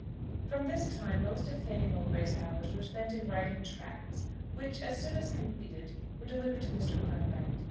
From this time most of Fanny Mowbray's hours were spent in writing tracts; which, as soon as completed, were delivered to Mr. Cartwright.